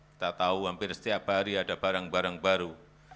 kita tahu hampir setiap hari ada barang barang baru